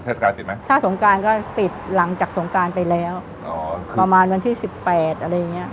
เทศกาล่ายปริดไหมถ้าสงการไปก็ปิดหลังแต่สงการไปแล้วประมาณด้านที่๑๘อะไรอย่างนี้